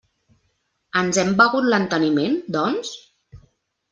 Ens hem begut l'enteniment, doncs?